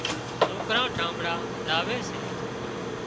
سوڪران ٺانۮڙان لاوي سي